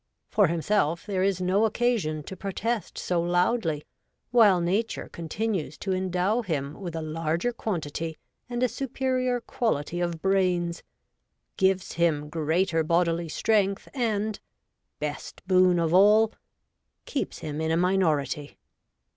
For * Lady Jeune. DOMESTIC STRIFE. 113 himself there is no occasion to protest so loudly, while nature continues to endow him with a larger quantity and a superior quality of brains : gives him greater bodily strength, and — best boon of all — keeps him in a minority.